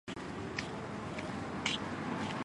奥尔森瓦勒人口变化图示